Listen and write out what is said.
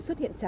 xuất hiện trên